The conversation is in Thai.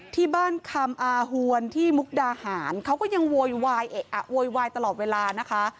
ที่บ้านคำอาฮวนที่มุคดาหารเขาก็ยังโวยวายตลอดเวลานะคะ